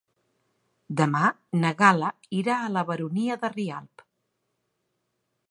Demà na Gal·la irà a la Baronia de Rialb.